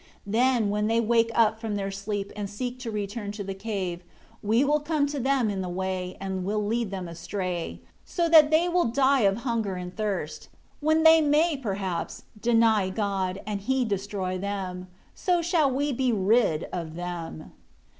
4 Then, when they wake up from their sleep, and seek to return to the cave, we will come to them in the way, and will lead them astray; so that they die of hunger and thirst; when they may, perhaps, deny God, and He destroy them. So shall we be rid of them."